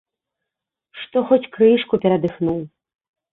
Што хоць крышку перадыхнуў.